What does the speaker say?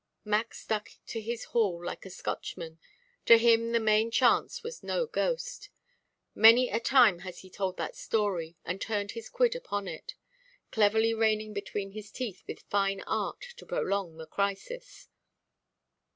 Mac stuck to his haul like a Scotchman; to him the main chance was no ghost. Many a time has he told that story, and turned his quid upon it, cleverly raining between his teeth with fine art to prolong the crisis.